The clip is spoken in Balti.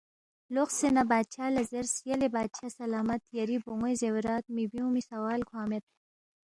لوقسے نہ بادشاہ لہ زیرس، یلے بادشاہ سلامت یری بون٘وے زیورات مِہ بیُونگمی سوال کھوانگ مید